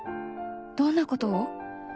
どんなことを？